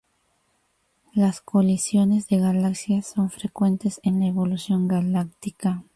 Las colisiones de galaxias son frecuentes en la evolución galáctica.